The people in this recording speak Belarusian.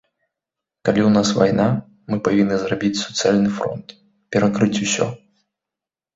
Калі ў нас вайна, мы павінны зрабіць суцэльны фронт, перакрыць усё.